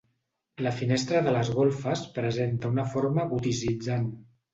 La finestra de les golfes presenta una forma goticitzant.